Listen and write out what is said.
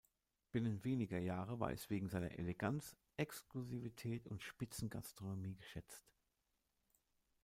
Binnen weniger Jahre war es wegen seiner Eleganz, Exklusivität und Spitzengastronomie geschätzt.